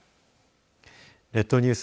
列島ニュース